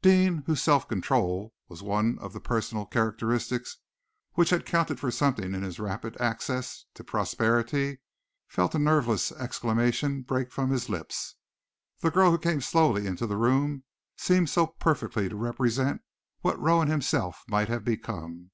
Deane, whose self control was one of the personal characteristics which had counted for something in his rapid access to prosperity, felt a nerveless exclamation break from his lips. The girl who came so slowly into the room seemed so perfectly to represent what Rowan himself might have become.